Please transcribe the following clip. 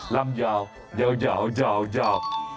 ลำยาวเดียว